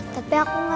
tapi aku gak nyangka